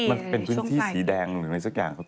มันเป็นพื้นที่สีแดงอะไรสักอย่าง